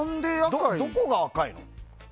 どこが赤いの？